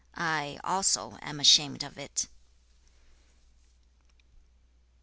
I also am ashamed of it.'